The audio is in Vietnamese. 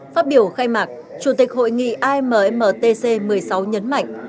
phát biểu khai mạc chủ tịch hội nghị ammtc một mươi sáu nhấn mạnh